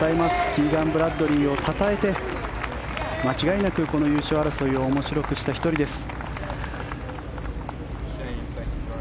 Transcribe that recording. キーガン・ブラッドリーを称えて間違いなく、この優勝争いを面白くした１人です。